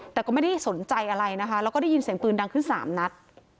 แต่ก็ไม่ได้สนใจอะไรนะคะแล้วก็ได้ยินเสียงปืนดังขึ้น๓นัด